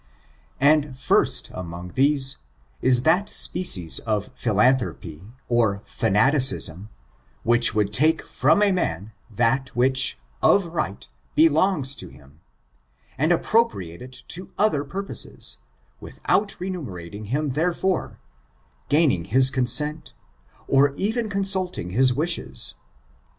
And first among these, is that species of philanthropy or fanaticism which would take firom a man that which, of right, belongs to him, and appropriate it to other purposes, without remunerating him therefor, gaining his consent, or even consulting his wishes.